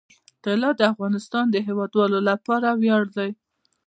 طلا د افغانستان د هیوادوالو لپاره ویاړ دی.